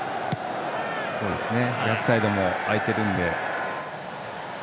逆サイドも空いているので。